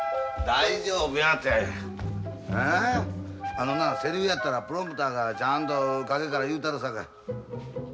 あのなセリフやったらプロンプターがちゃんと陰から言うたるさかい。